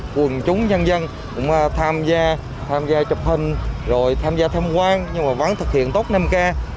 quần chúng nhân dân cũng tham gia tham gia chụp hình rồi tham gia tham quan nhưng mà vẫn thực hiện tốt năm k